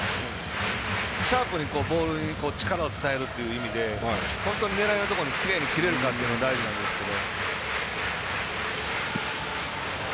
シャープにボールに力を伝えるということで本当に狙えるところに決めきれるかというのが大事なんですけど。